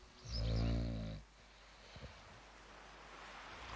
うん？